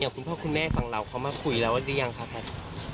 คุณพ่อคุณแม่ฟังเราเขามาคุยแล้วหรือยังคะแพทย์